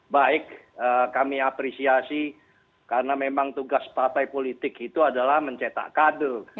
baik kami apresiasi karena memang tugas partai politik itu adalah mencetak kader